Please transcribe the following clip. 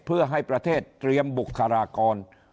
เพื่อให้ประเทศเตรียมบุคลากร